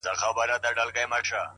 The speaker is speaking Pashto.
چي ورته سر ټيټ كړمه ، وژاړمه،